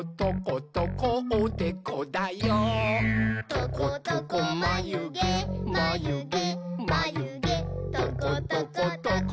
「トコトコまゆげまゆげまゆげトコトコトコトコおめめだよ！」